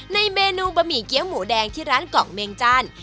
ในเมนูบะหมี่เกี้ยวหมูแดงที่ร้านเกาะเมงจันทร์